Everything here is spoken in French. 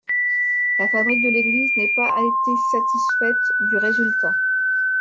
La fabrique de l'église n'ait pas été satisfaite du résultat.